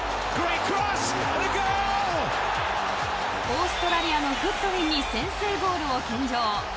オーストラリアのグッドウィンに先制ゴールを献上。